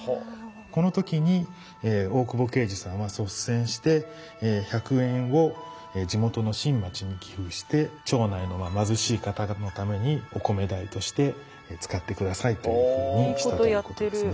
この時に大久保敬次さんは率先して百円を地元の新町に寄付して町内の貧しい方々のためにお米代として使って下さいというふうにしたということですね。